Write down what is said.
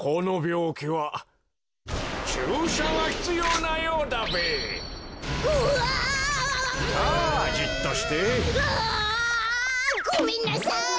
うわ！ごめんなさい！